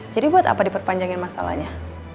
jadi buat apa diperpanjangin masalahnya